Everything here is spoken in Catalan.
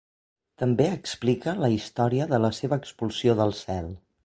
També explica la història de la seva expulsió del cel.